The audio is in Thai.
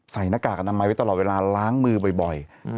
หน้ากากอนามัยไว้ตลอดเวลาล้างมือบ่อย